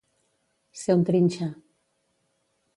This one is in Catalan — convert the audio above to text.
Ser un trinxa.